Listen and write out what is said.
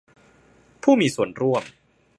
ผู้มีส่วนร่วม